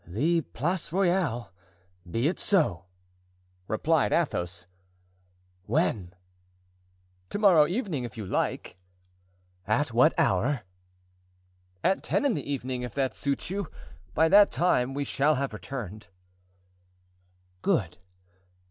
"The Place Royale—be it so!" replied Athos. "When?" "To morrow evening, if you like!" "At what hour?" "At ten in the evening, if that suits you; by that time we shall have returned." "Good."